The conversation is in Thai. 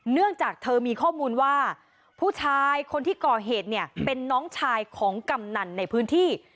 เนื่องจากเธอมีข้อมูลว่าผู้ชายคนที่ก่อเหตุเนี่ยเป็นน้องชายของกำนันในพื้นที่